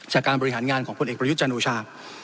จากการบริหารงานของพลเอกประยุทธ์จันโอชา